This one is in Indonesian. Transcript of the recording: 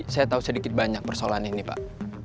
saya tahu sedikit banyak persoalan ini pak